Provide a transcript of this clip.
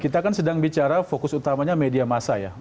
kita kan sedang bicara fokus utamanya media massa ya